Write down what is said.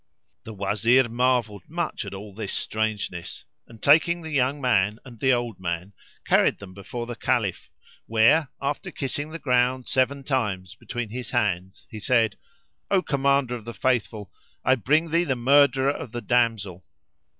The Wazir marvelled much at all this strangeness and, taking the young man and the old man, carried them before the Caliph, where, after kissing the ground seven times between his hands, he said, "O Commander of the Faithful, I bring thee the murderer of the damsel!"